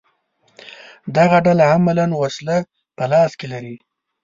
دغه ډله عملاً وسله په لاس کې لري